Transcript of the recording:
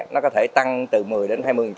nó có thể tăng từ một mươi đến hai mươi